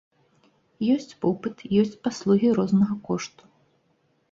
Ёсць попыт, ёсць паслугі рознага кошту.